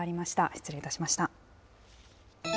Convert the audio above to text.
失礼いたしました。